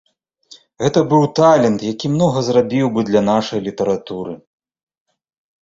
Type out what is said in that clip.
Гэта быў талент, які многа зрабіў бы для нашай літаратуры.